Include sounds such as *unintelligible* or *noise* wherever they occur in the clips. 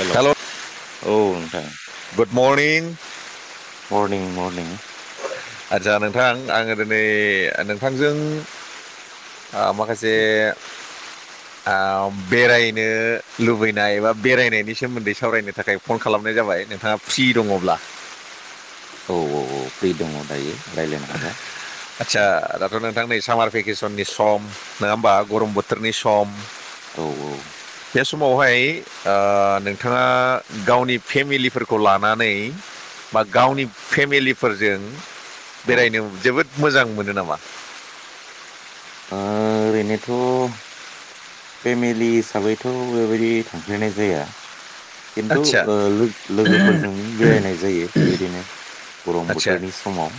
Hello hello औ नोंथां good morning morning. मरनिं आतसा नोंथां आङो दिनै नोंथांजों। आ माखासे आ बेरायनो लुबैनाय बा बेरायनायनि सोमोन्दै सावरायनो थाखाय फन खालाम खालामनाय जाबाय नोंथाङा फ्रि दङ'ब्ला। औ औ औ फ्रि दङ दायो रायज्लायनो हागोन। आदसा दाथ' नोंथां नै सामार भेकेसननि सम नङा होमबा गरम बोथोरनि सम औ औ। मावहाय ओ नोंथाङा गावनि फेमिलिफोरखौ लानानै बा गावनि फेमिलिफोरजों ओ बेरायनो जोबोद मोजां मोनो नामा ओरैनोथ' फेमिलि हिसाबैथ' बेबायदि थांफेरनाय जाया खिन्थु आदसा ओ लो- लोगोफोरजों बेरायनाय जायो बेबायदिनो गरम आदसा बोथोरनि समाव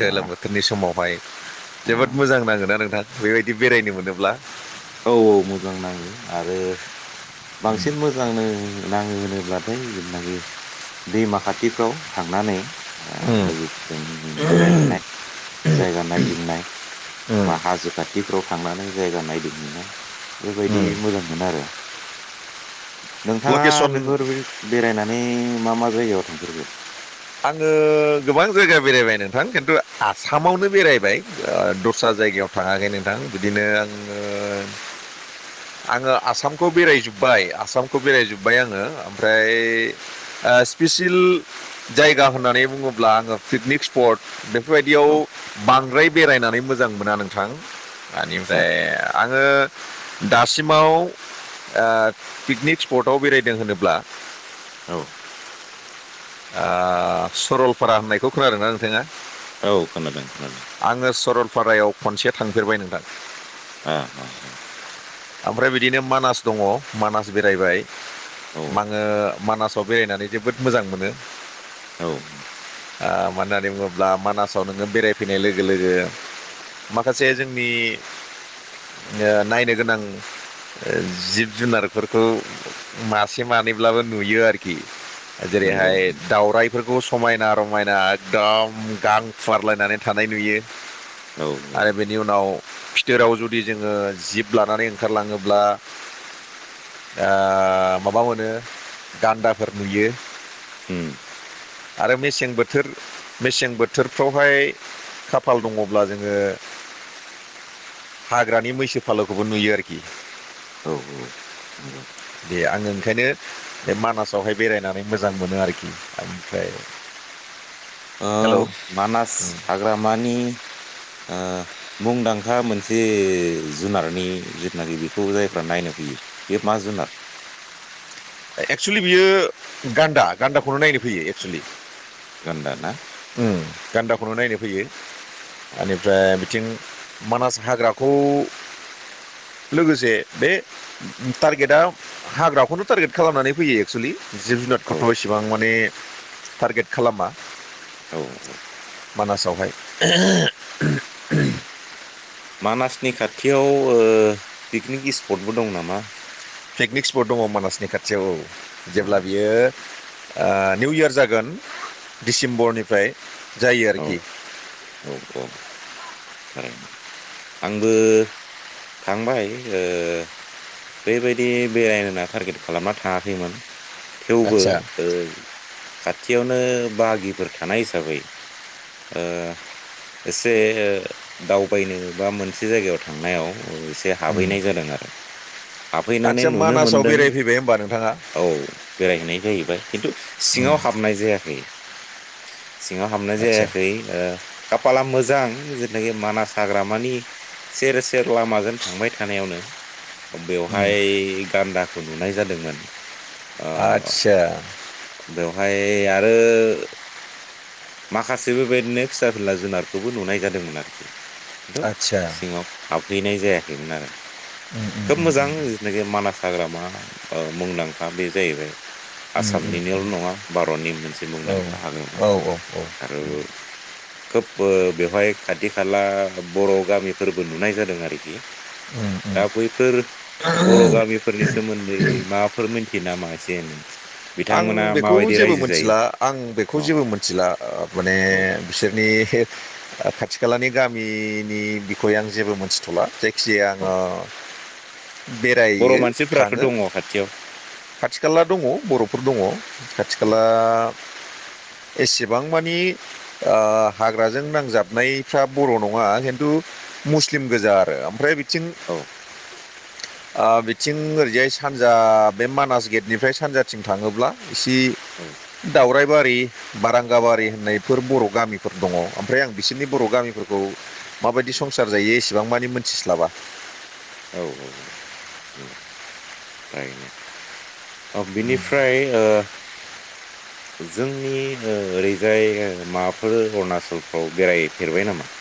गोलोम ओ बोथोरनि समावहाय जोबोद उम मोजां नांगोना नोंथां बेबायदि बेरायनो मोनोब्ला औ-औ मोजां नाङो आरो बांसिन मोजांनो नाङो होनोब्लाथाय जेनाखि दैमा खाथिफ्राव थांनानै ओ उम लोगोफोरजों बेरायहैनाय जायगा नायदिंनाय उम बा हाजो खाथिफ्राव थांनानै जायगा नायदिंहैनाय बेबायदि उम मोजां मोनो आरो नोंथाङा लकेसन बेफोर बेरायनानै मा-मा जायगायाव थांफेरखो आङो गोबां जायगा बेरायबाय नोंथां खिन्थु आसामावनो बेरायबाय ओ दस्रा जायगायाव थाङाखै नोंथां बिदिनो आङो ओ आङो आसामखौ बेरायजोब्बाय -आसामखौ बेरायजोब्बाय आङो ओमफ्राय ओ स्पिसिल जायगा होननानै बुङोब्ला आङो पिकनिक स्पट बेफोरबायदियाव औ बांद्राय बेरायनानै मोजां मोजां मोना नोंथां ब आदसा आनिफ्राय आङो दासिम माव ओ पिकनिक स्पटआव बेरायदों होनोब्ला औ। ओ सरलपारा होननायखौ खोनादोंना नोंथाङा? औ खोनादों-खोनादों। पारायाव खनसे थांफेरबाय नोंथां? ओ ह-ह ओमफ्राय बिदिनो मानास दङ मानास बेरायबाय औ माङो मानासाव बेरायनानै जोबोद मोजां मोनो औ ओ मानो होननानै बुङोब्ला मानासाव नोङो बेरायफैनाय लोगो-लोगो माखासे जोंनि ओ नायनो गोनां ओ जिब-जुनारफोरखौ मासे-मानैब्लाबो नुयो आरखि नंगौ जेरैहाय दावराय फोरखौ समायना रमायना एकदम गां खुवारलायनानै थानाय नुयो औ आरो बेनि उनाव फिथोराव जुदि जोङो जिब लानानै ओंखारलाङोब्ला ओ माबा मोनो गान्दाफोर नुयो उम आरो मेसें बोथोर-मेसें बोथोरफ्रावहाय खाफाल दङब्ला जोङो हाग्रानि मैसो फालोखौबो नुयो आरोखि औ -औ दे आङो ओंखायनो बे मानासावहाय बेरायनानै मोजां मोनो आरोखि ओमफ्राय *inaudible* ओ हेलौ मानास हाग्रामानि ओ मुंदांखा मोनसे जुनारनि जिथनाखि बेखौ जायफ्रा नायनो फैयो बे मा जुनार एक्सुलि बियो गान्दा-गान्दाखौल' नायनो फैयो एक्सुलि गान्दा ना उम गान्दाखौनो नायनो फैयो औ बेनिफ्राय बिथिं मानास हाग्राखौ लोगोसे बे टारगेटआ हाग्राखौनो टारगेट खालामनानै फैयो एक्सेलि जिब औ जुनारखौथ' इसेबां माने टारगेट खालामा औ मानासावहाय मानासनि खाथियाव पिकनिक स्पटबो दं नामा पिकनिक स्पट दङ मानासनि खाथियाव औ जेब्ला बियो निउ इयार जागोन दिडिसेम्बरनिफ्राय औ औ औ बाराय आंबो थांबाय ओ बेबायदि बेरायनोना टारगेट खालामना थाङाखैमोन थेवबो आदसा खाथियावनो बागिफोर थानाय हिसाबै ओ एसे दावबायनो बा मोनसे जायगायाव थांनायाव औ एसे उम हाबहैनाय जादों आरो हाबफैनानै आदसा नुनो मानासाव मोनदों बेरायफैबाय होमबा नोंथाङा औ बेरायहैनाय जाहैबाय खिन्थु उम सिङाव हाबनाय जायाखै सिङाव हाबनाय आदसा जायाखै खाफाला मोजां जेनाखि मानास हाग्रामानि सेर सेर लामाजों थांबाय थानायावनो उम बेवहाय गान्दाखौ नुनाय जादोंमोन आदसा बेवहाय आरो माखासे बेबायदिनो फिसा फिला जुनारखौबो नुनाय जादोंमोन आरोखि खिन्थु आदसा सिङाव हाबहैनाय जायाखैमोन आरो उम उम खोब मोजां जिनाखि मानास हाग्रामा मुंदांखा बे जाहैबाय उम उम आसामनिनोल' नङा भारतनि मोनसे उम मुंदांखा हाग्रामा औ औ औ आरो खोब बेवहाय खाथि खाला बर' गामिफोरबो नुनाय जादों आरोखि उम उम दा बैफोर बर' गामिफोरनि सोमोन्दै माबाफोर मिथियो नामा एसे एनै आं बिथांमोना बेखौ माबायदि जेबो रायजो जायो मिथिला आं बेखौ औ जेबो मोनथिला माने औ बिसोरनि खाथि खालानि गामिनि बिखय आं जेबो मोनथिथ'ला जायखिजाया औ आङो बर' बेरायो मानसिफोराथ' थाङो दङ खाथियाव खाथि खाला दङ बर' फोर दङ खाथि औ खाला एसेबां मानि हाग्राजों नांजाबनायफ्रा बर' नङा खिन्थु मुस्लिम गोजा आरो ओमफ्राय बिथिं औ बिथिं ओरैजाय सानजा बे मानास गेटनिफ्राय सानजाथिं थाङोब्ला एसे औ दावराय बारि बारांगाबारि होननायफोर बर' गामिफोर दङ ओमफ्राय आं बिसोरनि बर' गामिफोरखौ माबायदि उम संसार जायो एसेबां मानि मोनथिस्लाबा औ औ औ नायैनो बिनिफ्राय ओ *inaudible* जोंनि ओरैजाय माबाफोरो अरुणाचलफ्राव बेरायफेरबाय नामा?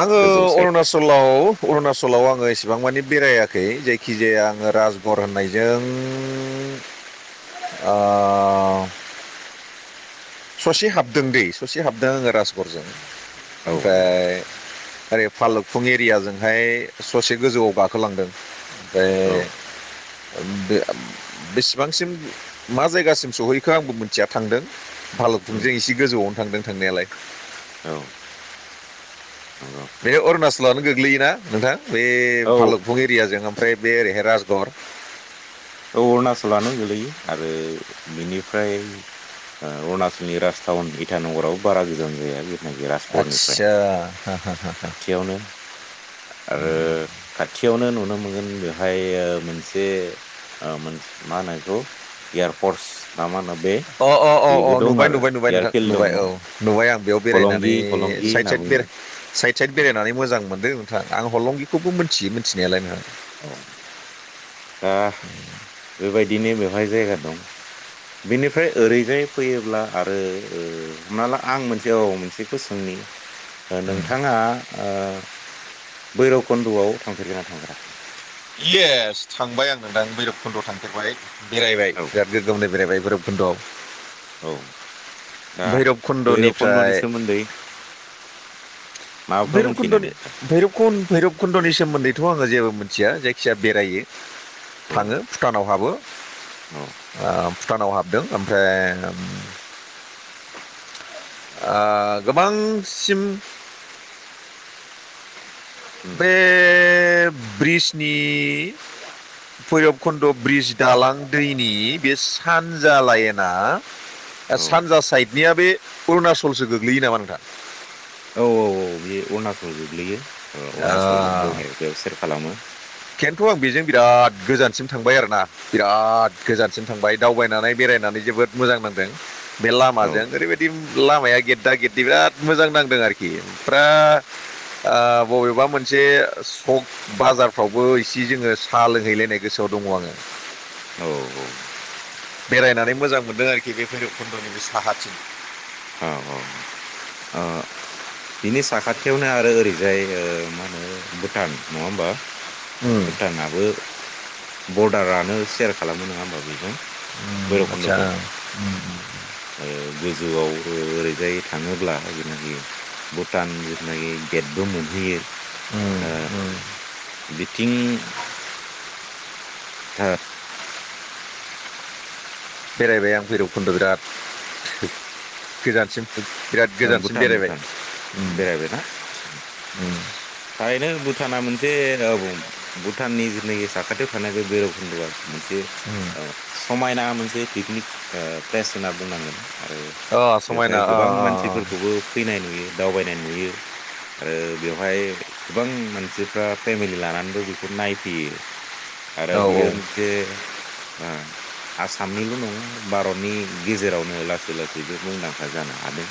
आङो गोजौ साइद अरुणचलाव अरुणचलाव आङो एसे बेसेबां मानि बेरायाखै जायखिजाया आङो राजबर होननायजों ओ ससे हाबदों दै ससे हाबदों आङो राजगरजों औ ओमफ्राय ओरै फालुफुं एरियाजोंहाय ससे गोजौआव गाखोलांदों। औ ओमफ्राय बे बेसेबांसिम मा जायगासिम सहैखो आंबो मिथिया थांदों। उम भालुखुंजों एसे गोजौआवनो थांदों थांनायालाय। औ नंगौ बे अरुणाचलावनो गोग्लैयोना नोंथां बे औ भालुफं एरियाजों आ ओमफ्राय बेे ओरैहाय रासगर। औ अरुणाचलानो गोलैयो आरो बिनिफ्राय ओ अरुणाचलनि राजथावन इटानगराव बारा गोजान जाया जेनाखि राजकरनिफ्राय आदसा खाथियावनो आरो खाथियावनो नुनो मोनगोन बे ओमफाय मोनसे मा होनो बेखौ एयारफर्स ना मा होनो बे अ अ अ अ बेबो दं नुबाय आरो नुबाय नुबाय नोंथां एयारफिल्ड दङ नुबाय औ नुबाय आं। बेयाव बेरायनानै हलंगि हलंगि साइद होनना साइ बे बुङो साइद साइद औ बेरायनानै मोजां मोनदों नोंथां आं हरलंगिखौबो मिथियो मिथिनायालाय। औ दा बेबायदिनो बेवहाय जायगा दं। बेनिफ्राय ओरैजाय फैयोब्ला आरो ओ हमना ला आं मोनसे औ मोनसेखौ सोंनि नि उम नोंथाङा ओ बैरकुन्द आव थांफेरगोना थांफेराखै? इस थांबाय आं नोंथां बैरब खुन्द थांफेरबाय बेरायबाय औ बिराद गोग्गोमनो बेरायबाय गोरबखुन्दआव। औ दा भैरब भैरब खन्द'नि कुन्दनिफ्राय सोमोन्दै माबाफोर मोनथियो नामा भैरबकुन्दनि नोंथां? भैर भैरबकुन्दनि सोमोन्दैथ आङो जेबो मोन थिया जायखिया बेरायो औ थाङो भुटानाव हाबो। औ भुटानाव हाबदों ओमफ्राय नंगौ आ गोबांसिम उम बे ब्रिसनि भैरबकुन्द ब्रिज दालां दैनि बे सानजा लाइनाआ। आ औ सानजा साइडनिया बे अरुणाचलसो गोग्लैयो नामा नोंथां? औ औ औ बे अरुणाचल गोग्लैयो अरुणचल बरडार बेयाव सेर खालामो। खिन्थु आं बेजों बिराद गोजानसिम थांबाय आरोना बिराद गोजानसिम थांबाय दावबायनानै बेरायनानै जोबोद मोजां नांदों। बे औ लामाजों ओरैबायदि लामाया गेददा गेददि बिराद मोजां नांदों आरोखि फुरा आ बबेबा मोनसे सक बाजार फ्रावबो इसे जोङो साहा लोंहैलायनाय गोसोआव दङ आङो। औ औ बेरायनानै मोजां मोन्दों आरोखि बे भैरबखुन्दनि बे साहाथिं। औ औ ओ। बिनि साखाथियावनो आरो ओरैजाय ओ मा होनो भुटान नङा होमबा। उम भुटानाबो बरडारानो सेयार खालामो नोंङा होमबा बेजों आदसा भैरबकुन्दजों आरो गोजौआव बो ओरैजाय थाङोब्ला जेनाखि भुटान जिनाखि गेटबो मोनहैयो। ओ ओ। थिं थोथ बेरायबाय आं भैरबखुन्द बिराद। गोजानसिम बिराद गोजानसिम भुटान बेरायबाय भुटान उम बेरायबायना उम थारैनो भुटाना मोनसे बुं भुटाननि जिनाखि साखाथियाव थानाय बे भैरबकुन्दआ। मोनसे उम औ समायना मोनसे पिकनिक ओ प्लेस होनना बुंनांगोन। आरो अ समायना बेवहाय अ गोबां अ मानसिफोरखौबो फैनाय नुयो दावबायनाय नुयो। आरो बेवहाय गोबां मानसिफ्रा फेमिलि लानानैबो बेखौ नायफैयो। आरो अ औ औ बियो मोनसे आ। आसामनिल नङा भारतनि गेजेरावनो लासै लासै बे मुंदांखा जानो हादों।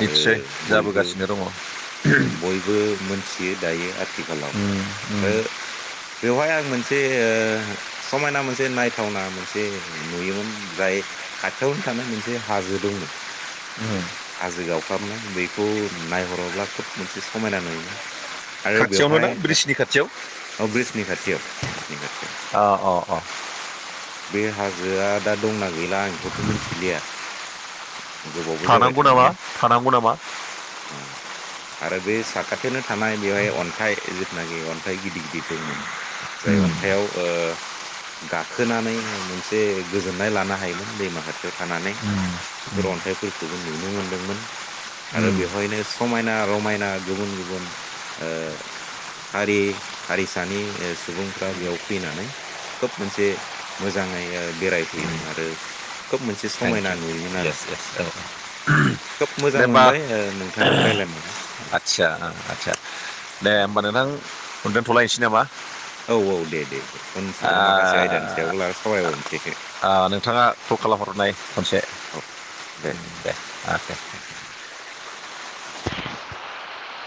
आरो बयबो जाबोगासिनो दङ बयबो मोनथियो दायो आथिखालाव उम आरो उम बेवहाय आं मोनसे ओ समायना मोनसे नायथावना मोनसे नुयोमोन जाय खाथियावनो थानाय मोनसे हा जो दंमोन। उम हाजो गावख्लाबनाय बैखौ नायहरोब्ला खोब मोनसे समायना नुयोमोन। आरो खाथियावनो बेवहाय ना ब्रिजनि खाथियाव औ ब्रिजनि खाथियाव ब्रिजनि खाथियाव अ अ अ ओ। बे हाजोआ दा दंना गैला आं एखौथ' मिथिलिया। गोबावबो जाबाय थानांगौ नामा थांङीया थानांगौ नामा अ आरो बे सा खाथियावनो थानाय बेवहाय अन्थाइ जिथुनोखि अन्थाइ गिदिर गिदिर दंमोन। जाय उम अन्थायआव ओ गाखोनानै मोनसे गोजोननाय लानो हायोमोन दैमा खा थियाव थानानै उम बेफोर अन्थाइफोरखौबो नुनो मोनदोंमोन। आरो उम बेवहायनो समायना-रमायना गुबुन-गुबुन ओ हारि-हारिसानि ओ सुबुंफ्रा बेयाव फैनानै खोब मोनसे मोजांङै ओ बेरायफैयोमोन आरो। खोब मोनसे थेंक समायना इउ नुयोमोन आरो। येस औ खोब मोजां दे बा *unintelligible* मोनबाय ओ नोंथांजों रायलायनानै औ आतसा-आतसा दे होमबा नोथां दोनथ'लायसै नामा? औ-औ दे-दे-दे उन ओ, समाव माखासे आयदानि सायाव ला सावरायबावनोसै खनसे खो। आ नोंथांङा कल खालामहरनाय खनसे। औ दे आ दे।